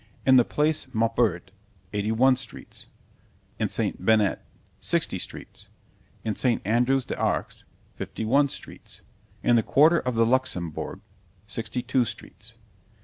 In the Place Maubert, eighty one streets. In St. Bennet, sixty streets. In St. Andrews de Arcs, fifty one streets. In the quarter of the Luxembourg, sixty two streets.